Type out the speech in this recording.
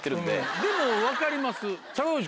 でも分かります。